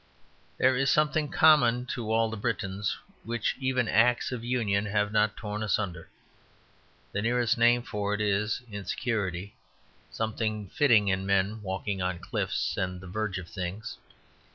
There is something common to all the Britons, which even Acts of Union have not torn asunder. The nearest name for it is insecurity, something fitting in men walking on cliffs and the verge of things.